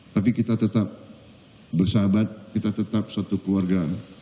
tapi kita tetap bersahabat kita tetap satu keluarga